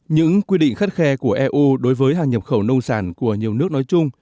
những quy định khắt khe của eu đối với hàng nhập khẩu nông sản của nhiều nước nói chung